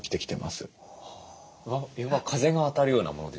風が当たるようなものですか？